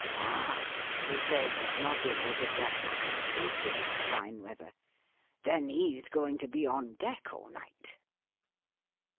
"Ah," he said, nodding as if that were conclusive of fine weather, " then he's going to be on deck all night."